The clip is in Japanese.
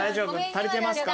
足りてますか？